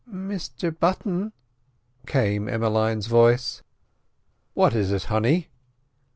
"Mr Button!" came Emmeline's voice. "What is it, honey?"